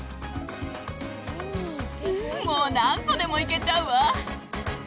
もう何個でもいけちゃうわ。